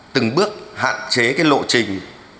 từng bước hạn chế lộ trình